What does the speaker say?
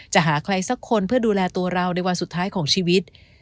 จะหาใครสักคนเพื่อดูแลตัวเราในวันสุดท้ายของชีวิต